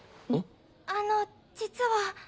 あの実は。